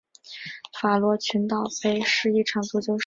法罗群岛杯是法罗群岛的一项球会淘汰制杯赛的足球赛事。